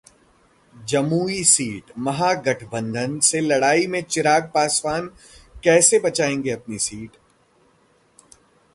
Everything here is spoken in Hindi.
जमुई सीट: महागठबंधन से लड़ाई में चिराग पाासवान कैसे बचाएंगे अपनी सीट?